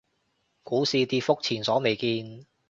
股市跌幅前所未見